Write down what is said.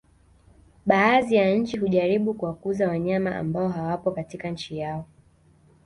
Baadhi ya nchi hujaribu kuwakuza wanyama ambao hawapo katika nchi yao